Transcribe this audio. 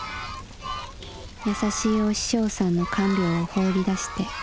優しいお師匠さんの看病を放り出して。